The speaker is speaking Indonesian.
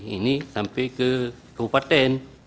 ini sampai ke kabupaten